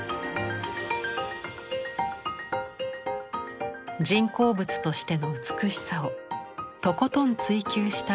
人工物としての美しさをとことん追求した未来への提案です。